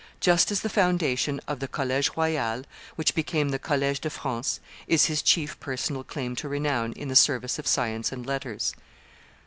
just as the foundation of the College Royal, which became the College de France, is his chief personal claim to renown in the service of science and letters.